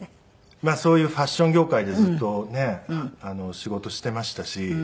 まあそういうファッション業界でずっとねえ仕事していましたし。